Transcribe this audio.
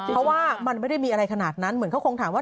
เพราะว่ามันไม่ได้มีอะไรขนาดนั้นเหมือนเขาคงถามว่า